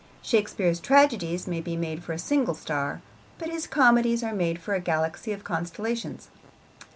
Shakespeare's tragedies may be made for a single star, but his comedies are made for a galaxy of constellations.